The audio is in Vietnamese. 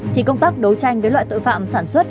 thì công tác đấu tranh với loại tội phạm sản xuất